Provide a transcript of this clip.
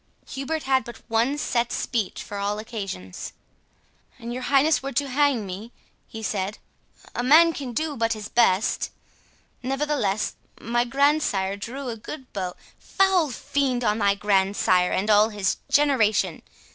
Hubert had but one set speech for all occasions. "An your highness were to hang me," he said, "a man can but do his best. Nevertheless, my grandsire drew a good bow—" "The foul fiend on thy grandsire and all his generation!"